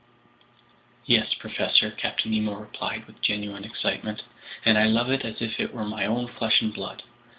"Yes, professor," Captain Nemo replied with genuine excitement, "and I love it as if it were my own flesh and blood!